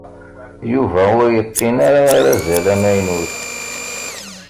Yuba ur yeqqin ara arazal amaynut.